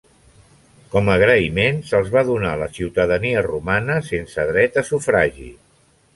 Com agraïment se'ls va donar la ciutadania romana sense dret a sufragi.